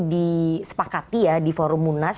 disepakati ya di forum munas